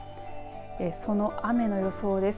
その雨の予想です。